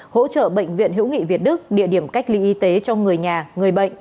hỗ trợ bệnh viện hữu nghị việt đức địa điểm cách ly y tế cho người nhà người bệnh